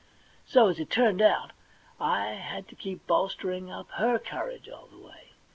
So, as it turned out, I had to keep bolstering up her courage all the way.